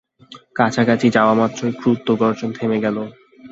কাছাকাছি যাওয়ামাত্র ক্রুদ্ধ গর্জন থেমে গেল।